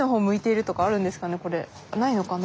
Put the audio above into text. ないのかな。